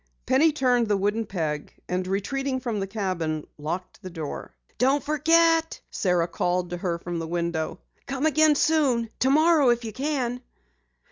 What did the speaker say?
Penny turned the wooden peg, and retreating from the cabin, locked the door. "Don't forget!" Sara called to her from the window. "Come again soon tomorrow if you can."